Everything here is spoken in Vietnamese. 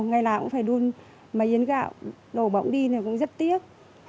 ngày nào cũng phải đun mấy yến gạo đổ bỗng đi thì cũng rất tiếc